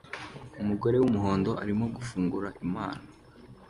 Umugore wumuhondo arimo gufungura impano